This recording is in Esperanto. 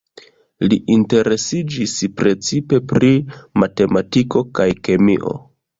Li interesiĝis precipe pri matematiko kaj kemio.